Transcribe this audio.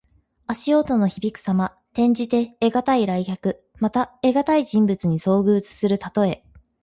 足音のひびくさま。転じて、得難い来客。また、得難い人物に遭遇するたとえ。